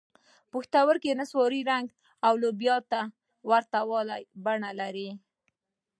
پښتورګي نسواري رنګ او لوبیا ته ورته بڼه لري.